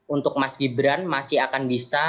untuk mas gibran masih akan bisa